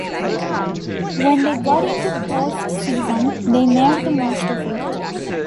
When they got into the postseason, they made the most of it.